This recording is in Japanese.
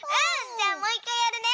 じゃあもう１かいやるね。